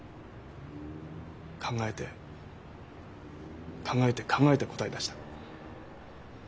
考えて考えて考えて答え出した。